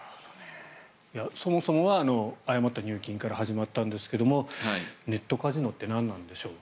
そもそもは誤った入金から始まったんですがネットカジノって何なんでしょう。